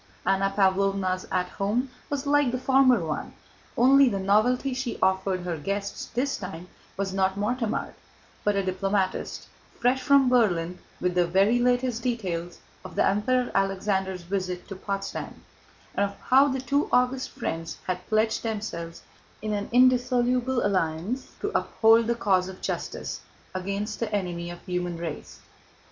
Anna Pávlovna's "At Home" was like the former one, only the novelty she offered her guests this time was not Mortemart, but a diplomatist fresh from Berlin with the very latest details of the Emperor Alexander's visit to Potsdam, and of how the two august friends had pledged themselves in an indissoluble alliance to uphold the cause of justice against the enemy of the human race.